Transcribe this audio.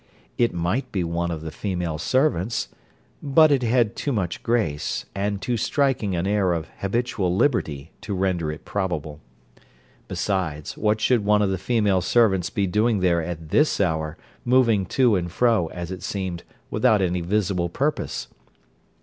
It might be one of the female servants; but it had too much grace, and too striking an air of habitual liberty, to render it probable. Besides, what should one of the female servants be doing there at this hour, moving to and fro, as it seemed, without any visible purpose?